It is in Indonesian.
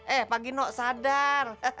eh pak gino sadar